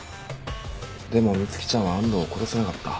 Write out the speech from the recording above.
でも美月ちゃんは安藤を殺せなかった。